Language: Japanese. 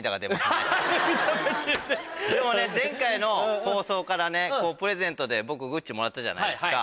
でもね前回の放送からねプレゼントで僕ＧＵＣＣＩもらったじゃないですか。